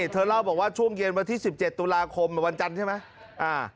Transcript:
เธอเล่าบอกว่าช่วงเย็นวันที่๑๗ตุลาคมวันจันทร์ใช่ไหม